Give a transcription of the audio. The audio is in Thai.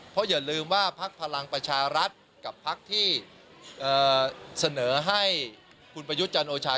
เพราะอย่าลืมว่าพักพลังประชารัฐกับพักที่เสนอให้คุณประยุทธ์จันโอชา